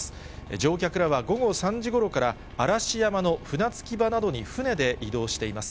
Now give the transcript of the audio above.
乗客らは午後３時ごろから、嵐山の船着き場などに船で移動しています。